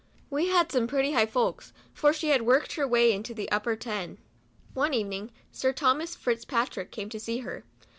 We had some pretty high folks, for she had worked her way into the upper ten. One evening Sir Thomas Fitz Patrick came to see her.